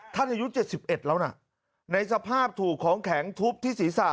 ท่านอายุเจ็ดสิบเอ็ดแล้วน่ะในสภาพถูกของแข็งทุบที่ศรีษะ